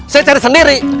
saya cari sendiri